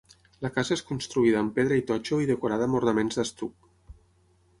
La casa és construïda amb pedra i totxo i decorada amb ornaments d'estuc.